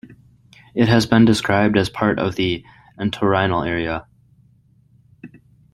It has been described as part of the entorhinal area.